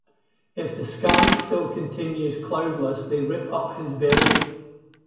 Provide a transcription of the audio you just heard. If the sky still continues cloudless, they rip up his belly.